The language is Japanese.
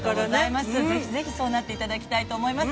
ぜひぜひ、そうなっていただきたいと思います。